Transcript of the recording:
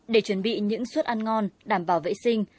để chuẩn bị những suất ăn ngon đảm bảo vệ sinh